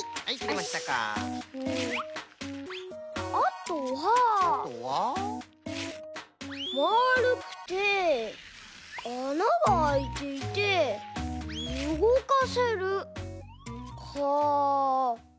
まるくてあながあいていてうごかせるか。